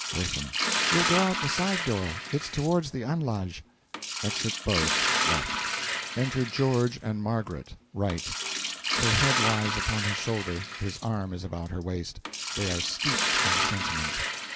WIRTHIN. We'll go out the side door. It's towards the Anlage. (Exit both. L.) Enter GEORGE and MARGARET. R. Her head lies upon his shoulder, his arm is about her waist; they are steeped in sentiment.